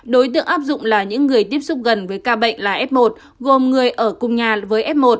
đối tượng áp dụng là những người tiếp xúc gần với ca bệnh là f một gồm người ở cùng nhà với f một